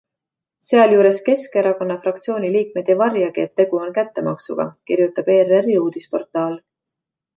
Sealjuures Keskerakonna fraktsiooni liikmed ei varjagi, et tegu on kättemaksuga, kirjutab ERRi uudisportaal.